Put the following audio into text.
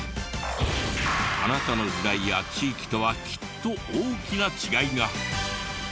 あなたの時代や地域とはきっと大きな違いが。